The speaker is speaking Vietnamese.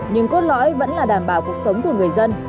nhưng cốt lõi vẫn là đảm bảo cuộc sống của người dân